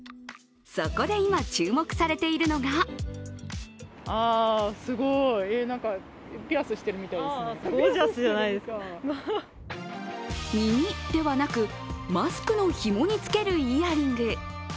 そこで今、注目されているのが耳ではなく、マスクのひもにつけるイヤリング。